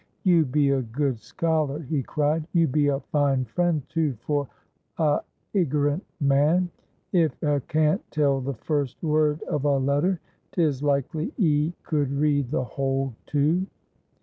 "You be a good scholar!" he cried. "You be a fine friend, too, for a iggerant man. If a can't tell the first word of a letter, 'tis likely 'ee could read the whole, too!"